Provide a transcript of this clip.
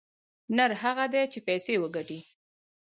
نر هغه دى چې پيسې وگټي.